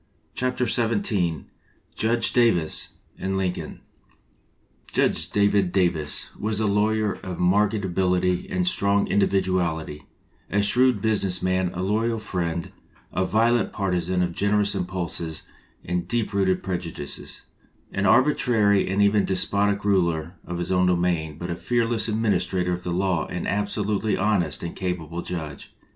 177 XVII JUDGE DAVIS AND LINCOLN JUDGE DAVID DAVIS was a lawyer of marked ability and strong individuality, a shrewd business man, a loyal friend, a violent partizan of generous impulses and deep rooted prejudices, an arbitrary and even despotic ruler of his own domain, but a fearless administrator of the law and an absolutely honest and capable judge.